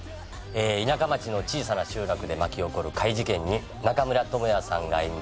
田舎町の小さな集落で巻き起こる怪事件に中村倫也さんが演じる